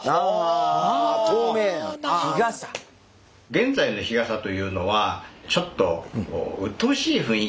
現在の日傘というのはちょっとうっとうしい雰囲気がですね